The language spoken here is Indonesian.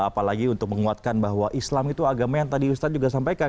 apalagi untuk menguatkan bahwa islam itu agama yang tadi ustadz juga sampaikan